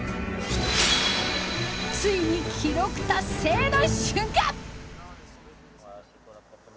ついに記録達成の瞬間！